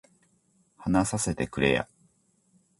話させてくれや